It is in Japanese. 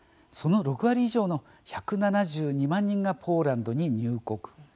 その６割以上の１７２万人がポーランドに入国。